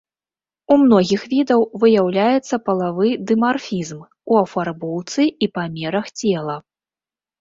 У многіх відаў выяўляецца палавы дымарфізм у афарбоўцы і памерах цела.